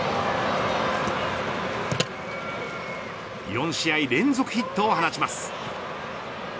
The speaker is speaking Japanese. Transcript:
４試合連続ヒットを放ちます。